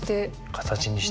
形にして。